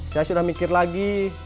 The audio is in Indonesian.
saya sudah mikir lagi